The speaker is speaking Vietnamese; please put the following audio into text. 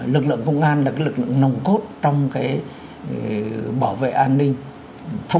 lực lượng công an là cái lực lượng nồng cốt trong cái bảo vệ an ninh